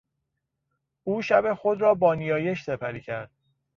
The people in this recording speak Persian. او شب خود را با نیایش سپری کرد.